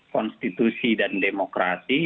konstitusi dan demokrasi